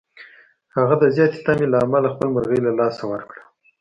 هغه د زیاتې تمې له امله خپله مرغۍ له لاسه ورکړه.